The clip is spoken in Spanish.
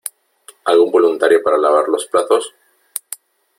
¿Algún voluntario para lavar los platos?